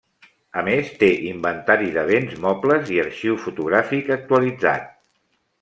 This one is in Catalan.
A més té inventari de béns mobles i arxiu fotogràfic actualitzat.